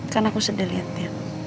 kan aku sedih liatnya